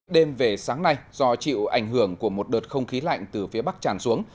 đêm về sáng nay do chịu ảnh hưởng của một đợt không khí lạnh từ phía bắc tràn xuống